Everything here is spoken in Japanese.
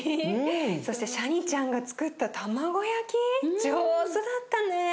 そしてシャニちゃんがつくった卵焼き上手だったね。